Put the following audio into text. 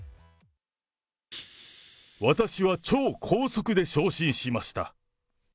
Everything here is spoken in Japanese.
私は超高速で昇進しました。